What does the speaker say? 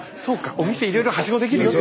お店いろいろはしごできるよって。